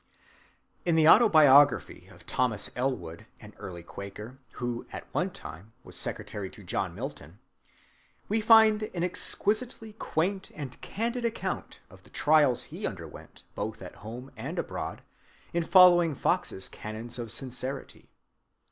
In the autobiography of Thomas Elwood, an early Quaker, who at one time was secretary to John Milton, we find an exquisitely quaint and candid account of the trials he underwent both at home and abroad, in following Fox's canons of sincerity.